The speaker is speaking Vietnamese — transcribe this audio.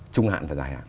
trung hạn và dài hạn